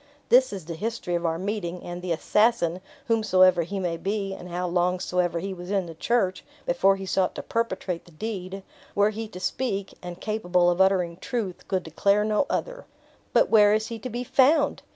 "This is the history of our meeting; and the assassin, whomsoever he may be, and how long soever he was in the church, before he sought to perpetrate the deed were he to speak, and capable of uttering truth, could declare no other." "But where is he to be found?"